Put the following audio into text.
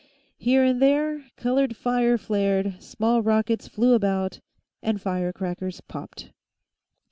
Here and there, colored fire flared, small rockets flew about, and firecrackers popped.